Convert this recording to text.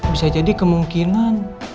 bisa jadi kemungkinan